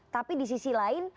tapi di sisi lain